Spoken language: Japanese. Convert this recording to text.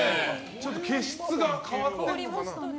ちょっと毛質が変わってるのかな。